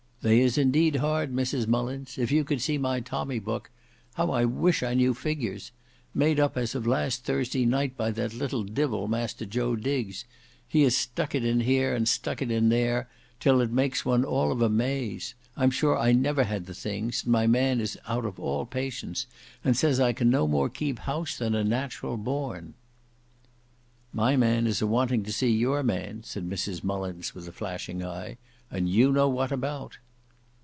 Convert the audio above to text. "They is indeed hard Mrs Mullins. If you could see my tommy book! How I wish I knew figures! Made up as of last Thursday night by that little divil, Master Joe Diggs. He has stuck it in here and stuck it in there, till it makes one all of a maze. I'm sure I never had the things; and my man is out of all patience, and says I can no more keep house than a natural born." "My man is a wanting to see your man," said Mrs Mullins, with a flashing eye; "and you know what about."